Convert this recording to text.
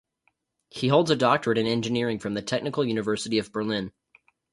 He holds a doctorate in engineering from the Technical University of Berlin.